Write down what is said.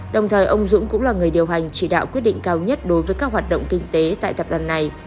đồng thời ông dũng cũng là người điều hành chỉ đạo quyết định cao nhất đối với các hoạt động kinh tế tại tập đoàn này